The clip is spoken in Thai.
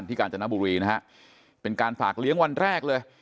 กาญจนบุรีนะฮะเป็นการฝากเลี้ยงวันแรกเลย